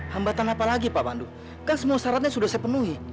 hambatan apa lagi pak pandu kan semua syaratnya sudah saya penuhi